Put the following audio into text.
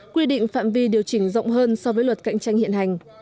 quy định phạm vi điều chỉnh rộng hơn so với luật cạnh tranh hiện hành